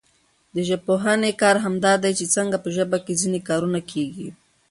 د ژبپوهني کار همدا دئ، چي څنګه په ژبه کښي ځیني کارونه کېږي.